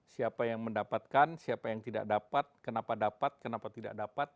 siapa yang mendapatkan siapa yang tidak dapat kenapa dapat kenapa tidak dapat